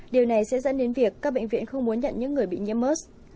điều này sẽ dẫn đến việc các bệnh viện không muốn nhận những người bị nhiễm mớ